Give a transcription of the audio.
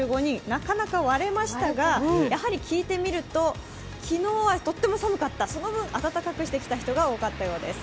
なかなか割れましたが、聞いてみると、昨日はとっても寒かった、その分、温かくしてきた人が多かったようです。